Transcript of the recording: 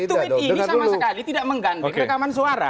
tweet ini sama sekali tidak mengganti rekaman suara